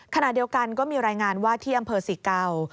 ขณะเดียวกันก็มีรายงานว่าที่อำเภอศรีเก่า